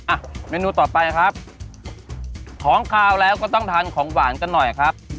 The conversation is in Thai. อ่ะเมนูต่อไปครับของขาวแล้วก็ต้องทานของหวานกันหน่อยครับ